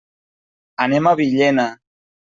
Anem a Villena.